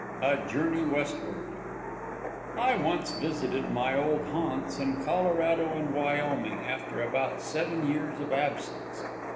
A JOURNEY WESTWARD V I once visited my old haunts in Colorado and Wyoming after about seven years of absence.